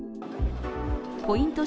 ポイント